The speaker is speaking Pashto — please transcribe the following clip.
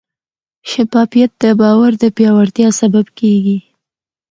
شفافیت د باور د پیاوړتیا سبب کېږي.